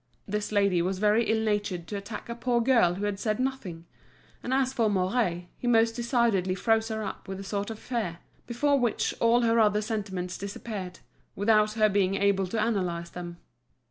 This lady was very ill natured to attack a poor girl who had said nothing; and as for Mouret, he most decidedly froze her up with a sort of fear, before which all her other sentiments disappeared, without her being able to analyse them.